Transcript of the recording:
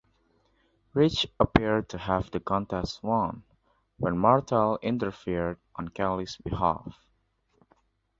Rich appeared to have the contest won, when Martel interfered on Kelly's behalf.